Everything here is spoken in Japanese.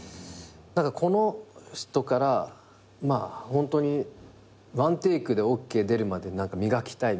この人からホントに１テイクでＯＫ出るまで磨きたいみたいな。